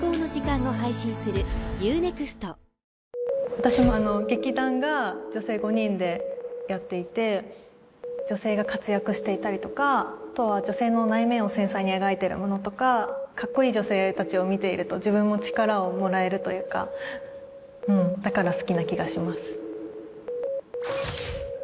私の劇団が女性５人でやっていて女性が活躍していたりとかあとは女性の悩みを繊細に描いてるものとかかっこいい女性達を見ていると自分も力をもらえるというかうんだから好きな気がします